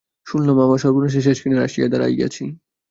শুনিলাম, আমি সর্বনাশের শেষ কিনারায় আসিয়া দাঁড়াইয়াছি।